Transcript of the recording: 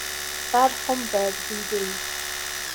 Bad Homburg v.d.